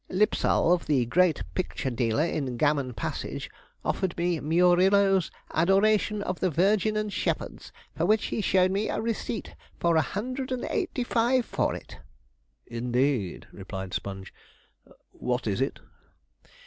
Lipsalve, the great picture dealer in Gammon Passage, offered me Murillo's "Adoration of the Virgin and Shepherds," for which he showed me a receipt for a hundred and eighty five, for it.' 'Indeed!' replied Sponge, 'what is it?'